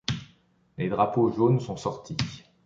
Les drapeaux jaunes sont sortis.